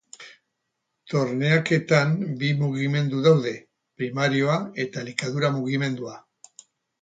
Torneaketan bi mugimendu daude: primarioa eta elikadura-mugimendua.